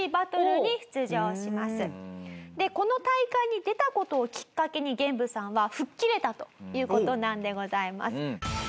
でこの大会に出た事をきっかけにゲンブさんは吹っ切れたという事なのでございます。